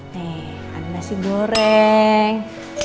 nih ada nasi goreng